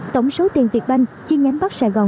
tổng số tiền việt banh chi nhánh bắc sài gòn